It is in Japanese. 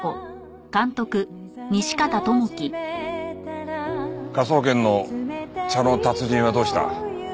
科捜研の茶の達人はどうした？